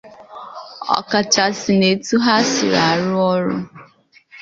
ọkachasị n'etu ha si arụ ọrụ